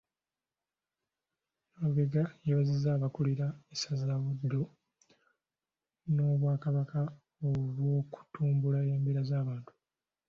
Nalubega yeebazizza abakulira essaza Buddu n'Obwakabaka olw'okutumbula embeera z'abantu.